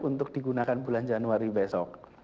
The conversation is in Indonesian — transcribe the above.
untuk digunakan bulan januari besok